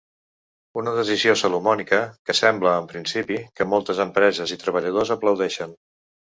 Una decisió salomònica que sembla, en principi, que moltes empreses i treballadors aplaudeixen.